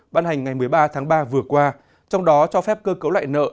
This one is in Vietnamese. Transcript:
ban hành ngày một mươi ba tháng ba vừa qua trong đó cho phép cơ cấu lại nợ